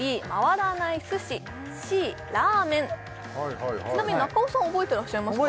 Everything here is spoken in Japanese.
はいはいはいちなみに中尾さん覚えてらっしゃいますか？